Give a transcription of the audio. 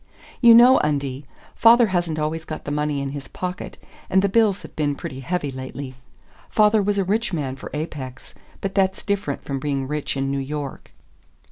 "You know, Undie, father hasn't always got the money in his pocket, and the bills have been pretty heavy lately. Father was a rich man for Apex, but that's different from being rich in New York."